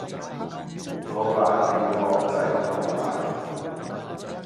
老闆我要旺仔牛奶